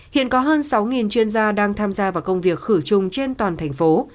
hiện có hơn sáu chuyên gia đang tham gia vào công việc khử trùng trên toàn thành phố